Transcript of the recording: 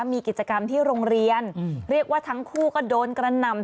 มีกิจกรรมที่โรงเรียนเรียกว่าทั้งคู่ก็โดนกระหน่ำ